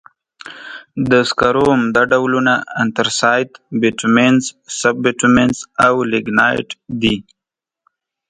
د سکرو عمده ډولونه انترسایت، بټومینس، سب بټومینس او لېګنایټ دي.